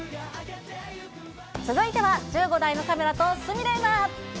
続いては、１５台のカメラと鷲見玲奈。